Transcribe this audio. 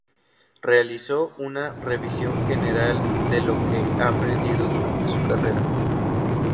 Realizó una revisión general de lo que ha aprendido durante su carrera.